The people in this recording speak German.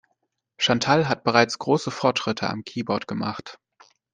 Chantal hat bereits große Fortschritte am Keyboard gemacht.